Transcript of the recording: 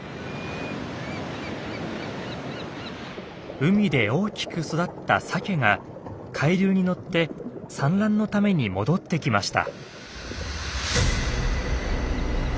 海で大きく育ったサケが海流に乗って産卵のために戻ってきました。